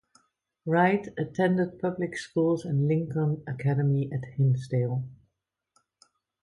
Wright attended public schools and Lincoln Academy at Hinsdale.